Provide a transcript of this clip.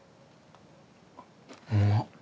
うまっ。